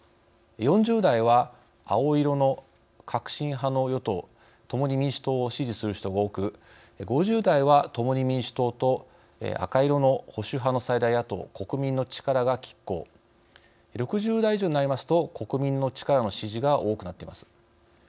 ４０代は青色の革新派の与党「共に民主党」を支持する人が多く５０代は「共に民主党」と赤色の保守派の最大野党「国民の力」がきっ抗、６０代以上になりますと「国民の力」の支持が多くなっています。